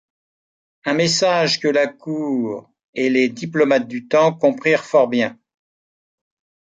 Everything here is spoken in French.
Un message que la cour et les diplomates du temps comprirent fort bien.